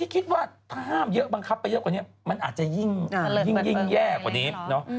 คิดว่าถ้าห้ามเยอะบังคับไปเยอะกว่านี้มันอาจจะยิ่งแย่กว่านี้เนอะ